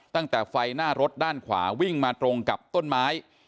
ตั้งแต่ไฟหน้ารถด้านขวาวิ่งมาตรงกับต้นไม้